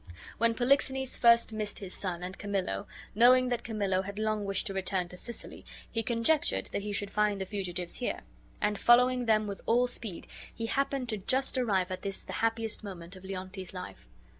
When Polixenes first missed his son and Camillo, knowing that Camillo had long wished to return to Sicily, he conjectured he should find the fugitives here; and, following them with all speed, he happened to just arrive at this the happiest moment of Leontes's life.